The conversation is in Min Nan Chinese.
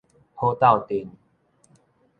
好鬥陣